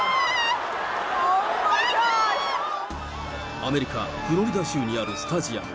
アメリカ・フロリダ州にあるスタジアム。